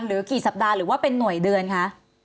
หรือกี่สัปดาห์หรือว่าเป็นหน่วยเดือนคะ